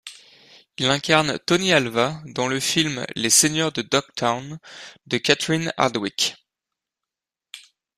Il incarne Tony Alva dans le film Les Seigneurs de Dogtown de Catherine Hardwicke.